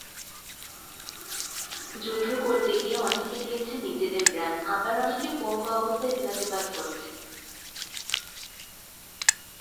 যুদ্ধ করতে গিয়ে অনেকে দিয়েছে নিজেদের প্রাণ, আবার অনেকে পঙ্গু অবস্থায় দিনাতিপাত করছে।